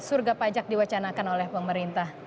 surga pajak diwacanakan oleh pemerintah